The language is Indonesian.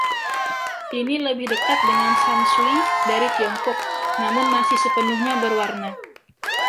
Ini lebih dekat dengan shan shui dari Tiongkok, namun masih sepenuhnya berwarna.